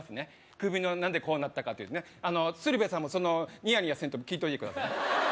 首のなんでこうなったかというね鶴瓶さんもニヤニヤせんと聞いといてくださいね